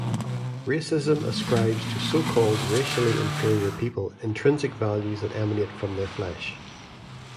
Racism ascribes to so-called racially inferior people intrinsic values that emanate from their flesh.